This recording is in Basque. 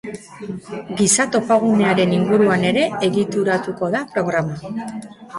Giza topagunearen inguruan ere egituratuko da programa.